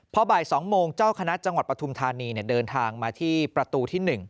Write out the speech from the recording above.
พอบ่าย๒โมงเจ้าคณะจังหวัดปฐุมธานีเดินทางมาที่ประตูที่๑